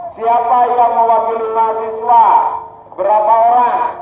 siapa yang mewakili mahasiswa berapa orang